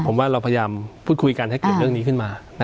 ผมว่าเราพยายามพูดคุยกันให้เกิดเรื่องนี้ขึ้นมา